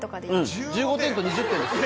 １５点と２０点です。